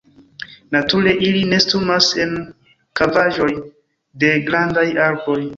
Nature ili nestumas en kavaĵoj de grandaj arboj.